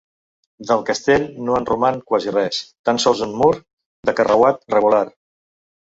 Del castell no en roman quasi res, tan sols un mur de carreuat regular.